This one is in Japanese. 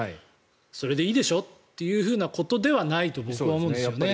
それでいいでしょっていうことではないと僕は思うんですよね。